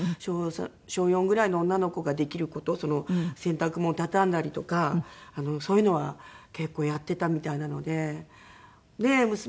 小４ぐらいの女の子ができる事洗濯物を畳んだりとかそういうのは結構やっていたみたいなので。